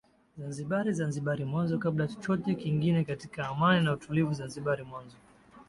zanzibari zanzibari mwanzo kabla chochote kingine katika amani na utulivu zanzibari mwanzo